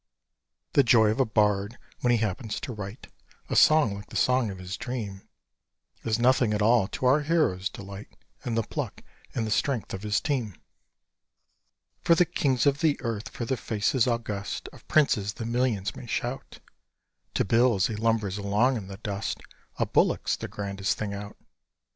The joy of a bard when he happens to write A song like the song of his dream Is nothing at all to our hero's delight In the pluck and the strength of his team. For the kings of the earth, for the faces august Of princes, the millions may shout; To Bill, as he lumbers along in the dust, A bullock's the grandest thing out.